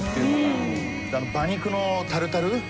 あの馬肉のタルタル？